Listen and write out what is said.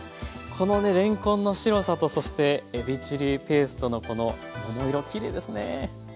このねれんこんの白さとそしてえびチリペーストのこの桃色きれいですね。